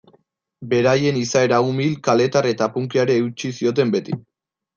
Beraien izaera umil, kaletar eta punkyari eutsi zioten beti.